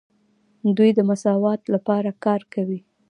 دوی د مساوات لپاره کار کوي.